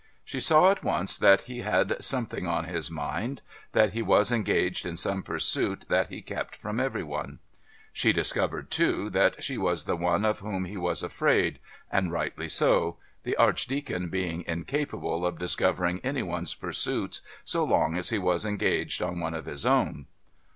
She saw at once that he had something on his mind, that he was engaged in some pursuit that he kept from every one. She discovered, too, that she was the one of whom he was afraid, and rightly so, the Archdeacon being incapable of discovering any one's pursuits so long as he was engaged on one of his own.